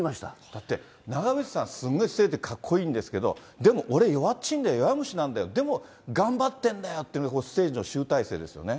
だって、長渕さん、すごいステージでかっこいいんですけど、でも俺、弱っちいんだよ、弱虫なんだよ、でも俺、頑張ってんだよって、ステージの集大成ですよね。